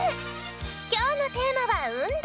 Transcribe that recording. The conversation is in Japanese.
きょうのテーマは「運動」！